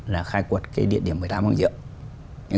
là khai quật cái địa điểm một mươi tám hoàng diệu